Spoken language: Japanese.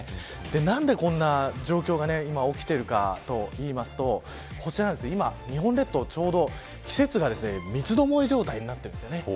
何で、こんな状況が今、起きているかといいますと今、日本列島をちょうど季節が三つどもえ状態になっているんです。